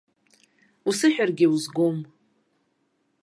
Усыҳәаргьы узгом.